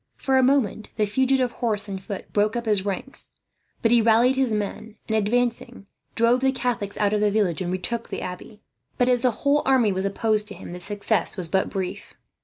For a moment, the fugitive horse and foot broke up his ranks. But he rallied his men and, advancing, drove the Catholics out of the village and retook the abbey. But as a whole army was opposed to him, the success was but brief.